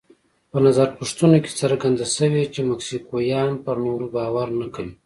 په نظر پوښتنو کې څرګنده شوې چې مکسیکویان پر نورو باور نه کوي.